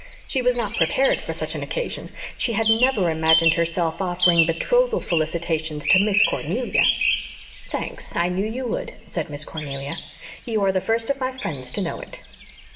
She was not prepared for such an occasion. She had never imagined herself offering betrothal felicitations to Miss Cornelia. "Thanks, I knew you would," said Miss Cornelia. "You are the first of my friends to know it."